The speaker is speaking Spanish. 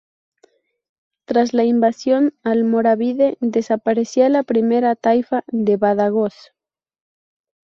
Tras la invasión almorávide, desaparecería la primera taifa de Badajoz.